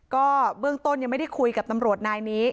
ก็เบื้องต้นยังไม่ได้คุยกับตำรวจนายนี้